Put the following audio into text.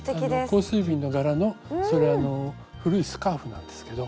香水瓶の柄のそれあの古いスカーフなんですけど